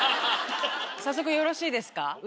早速よろしいですか？